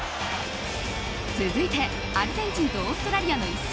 続いてアルゼンチンとオーストラリアの一戦。